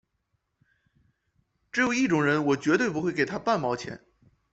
只有一种人我绝对不会给他半毛钱